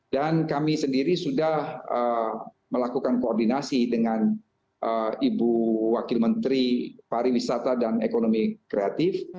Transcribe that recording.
dan kami sendiri sudah melakukan koordinasi dengan ibu wakil menteri pariwisata dan ekonomi kreatif